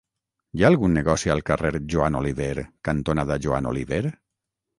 Hi ha algun negoci al carrer Joan Oliver cantonada Joan Oliver?